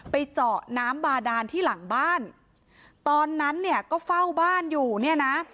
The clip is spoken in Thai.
เจาะน้ำบาดานที่หลังบ้านตอนนั้นเนี่ยก็เฝ้าบ้านอยู่เนี่ยนะ